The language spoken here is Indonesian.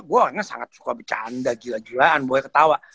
gue orangnya sangat suka bercanda gila gilaan gue ketawa